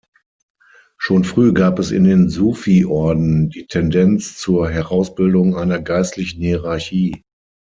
Schon früh gab es in den Sufi-Orden die Tendenz zur Herausbildung einer geistlichen Hierarchie.